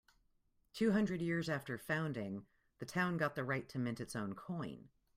Two hundred years after founding, the town got the right to mint its own coin.